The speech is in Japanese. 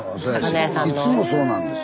いつもそうなんです。